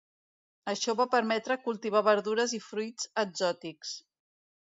Això va permetre cultivar verdures i fruits exòtics.